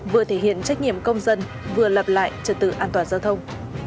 vừa thể hiện trách nhiệm công dân vừa lập lại trật tự an toàn giao thông